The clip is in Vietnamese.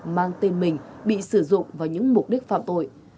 mang tên mình bị sử dụng vào những mục đích phạm tội